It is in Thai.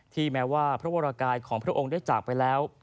แม้ว่าพระวรกายของพระองค์ได้จากไปแล้ว